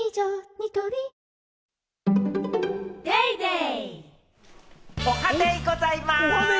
ニトリおはデイございます！